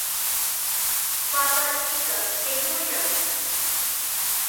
Papa t'ika q'illuyan.